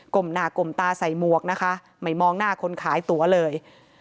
มหน้ากลมตาใส่หมวกนะคะไม่มองหน้าคนขายตั๋วเลย